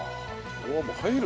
入る？